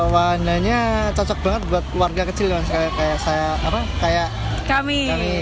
wahananya cocok banget buat warga kecil kayak saya apa kayak kami